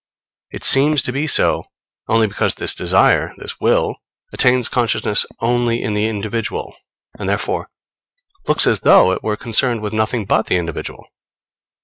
It seems to be so only because this desire this Will attains consciousness only in the individual, and therefore looks as though it were concerned with nothing but the individual.